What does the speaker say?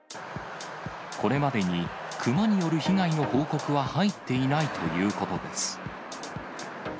これまでに、熊による被害の報告は入っていないということです。